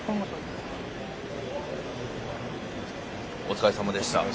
お疲れ様でした。